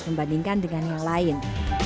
membandingkan dengan yang lain